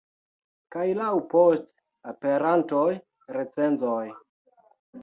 Kaj laŭ poste aperontaj recenzoj.